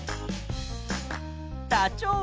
ダチョウ。